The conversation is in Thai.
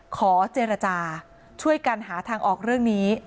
ขอเจรจาช่วยกันหาทางออกเรื่องนี้